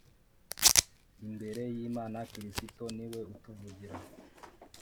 imbere y Imana Kristo ni we utuvugiramo